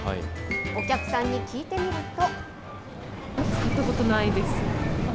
お客さんに聞いてみると。